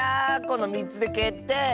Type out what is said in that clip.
この３つでけってい！